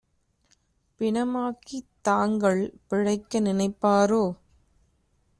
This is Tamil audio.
பிணமாக்கித் தாங்கள் பிழைக்க நினைப்பாரோ?"